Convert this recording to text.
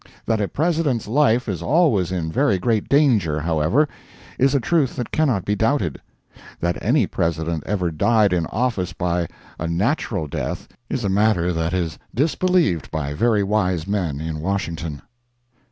That a President's life is always in very great danger, however, is a truth that cannot be doubted. That any President ever died in office by a natural death is a matter that is disbelieved by very wise men in Washington.